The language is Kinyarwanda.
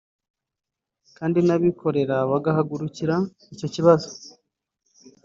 kandi n’abikorera bagahagurikira icyo kibazo